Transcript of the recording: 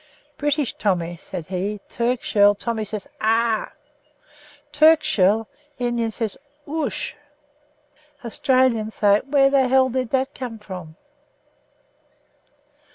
"British Tommy," said he, "Turk shell, Tommy says 'Ah!' Turk shell, Indian say 'Oosh!' Australian say 'Where the hell did that come from?'"